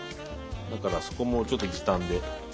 だからそこもちょっと時短で。